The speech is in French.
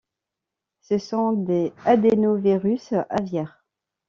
Ce sont des adénovirus aviaires.